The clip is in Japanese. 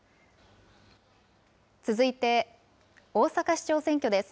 続いて、大阪市長選挙です。